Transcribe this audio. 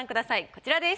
こちらです。